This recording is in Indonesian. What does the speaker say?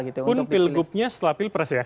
pun pilgrupnya setelah pilpres ya